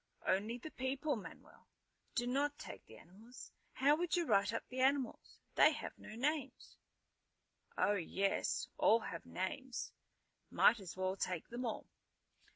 "Only the people, Manuel! Do not take the animals. How would you write up the animals? They have no names." "Oh, yes. All have names. Might as well take them all."